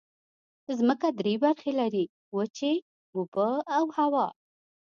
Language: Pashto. ځمکه درې برخې لري: وچې، اوبه او هوا.